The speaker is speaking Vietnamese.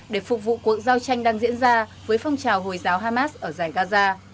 để phục vụ cuộc giao tranh đang diễn ra với phong trào hồi giáo hamas ở giải gaza